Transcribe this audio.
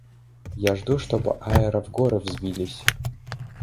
Я жду, чтоб аэро в горы взвились.